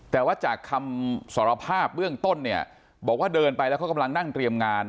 แต่ว่าจากคำสารภาพเบื้องต้นเนี่ยบอกว่าเดินไปแล้วเขากำลังนั่งเตรียมงาน